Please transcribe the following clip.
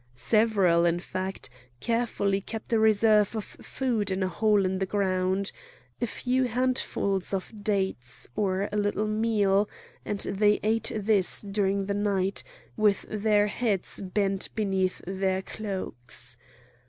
Several, in fact, carefully kept a reserve of food in a hole in the ground—a few handfuls of dates, or a little meal; and they ate this during the night, with their heads bent beneath their cloaks.